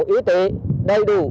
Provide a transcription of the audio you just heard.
ưu tế đầy đủ